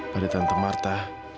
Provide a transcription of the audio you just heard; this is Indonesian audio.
pada tante marta